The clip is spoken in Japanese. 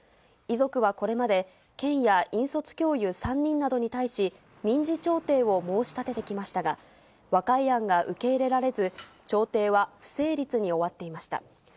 遺族はこれまで、県や引率教諭３人などに対し、民事調停を申し立ててきましたが、和解案が受け入れられず、調停は不成立に終わっていました。